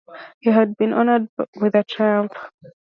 He had been honored with a triumph.